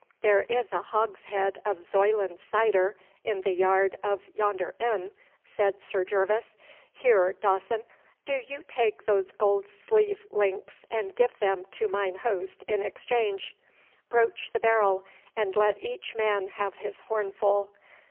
'There is a hogshead of Zoyland cider in the yard of yonder inn,' said Sir Gervas. 'Here, Dawson, do you take those gold sleeve links and give them to mine host in exchange. Broach the barrel, and let each man have his horn full.